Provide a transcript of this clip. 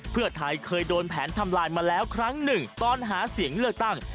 เพื่อไทยเคยโดนแผนทำลายมาแล้วครั้งหนึ่งตอนหาเสียงเลือกตั้ง